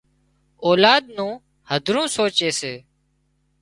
اولاد نُون هڌرون سوچي سي